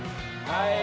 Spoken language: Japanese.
はい！